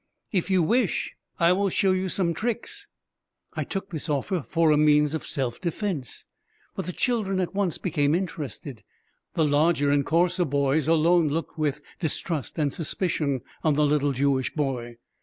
"If you wish, I will show you some tricks." I took this offer for a means of self defence. But the children at once became interested. The larger and coarser boys alone looked with distrust and suspicion on the little Jewish boy.